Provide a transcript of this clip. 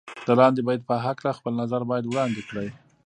د لاندې بیت په هکله خپل نظر باید وړاندې کړئ.